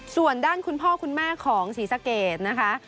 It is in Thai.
ส่วนด้านคุณพ่อคุณแม่ของศรีสะเกดนะคะ